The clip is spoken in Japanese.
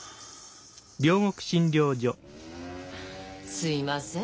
・すいません